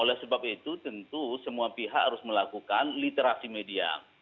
oleh sebab itu tentu semua pihak harus melakukan literasi media